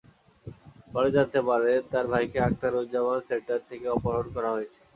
পরে জানতে পারেন, তাঁর ভাইকে আখতারুজ্জামান সেন্টার থেকে অপহরণ করা হয়েছে।